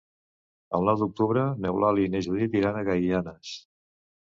El nou d'octubre n'Eulàlia i na Judit iran a Gaianes.